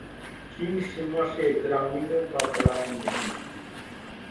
चीन सीमा से ग्रामीणों का पलायन नहीं